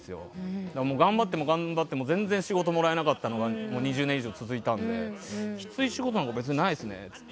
頑張っても頑張っても仕事もらえなかったのが２０年以上続いたのできつい仕事なんか別にないですね。